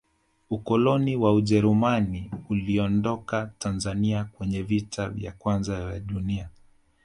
ukoloni wa ujerumani uliondoka tanzania kwenye vita ya kwanza ya dunia